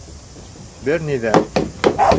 Бер ни ҙә.